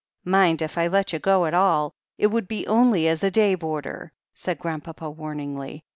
"Mind, if I let you go at all, it would be only as a day boarder," said Grandpapa warningly.